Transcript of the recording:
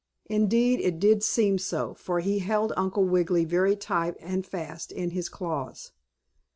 Indeed it did seem so, for he held Uncle Wiggily very tight and fast in his claws.